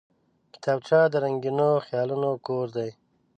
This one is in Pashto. کتابچه د رنګینو خیالونو کور دی